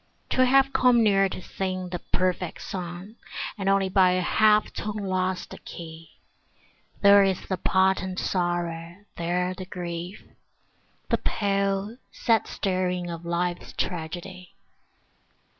To have come near to sing the perfect song And only by a half tone lost the key, There is the potent sorrow, there the grief, The pale, sad staring of life's tragedy.